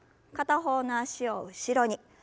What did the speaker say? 片方の脚を後ろに。